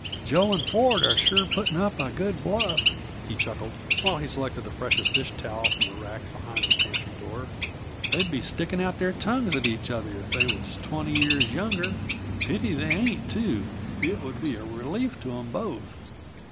Jo and Ford are sure putting up a good bluff," he chuckled, while he selected the freshest dish towel from the rack behind the pantry door. "They'd be sticking out their tongues at each other if they was twenty years younger; pity they ain't, too; it would be a relief to 'em both!"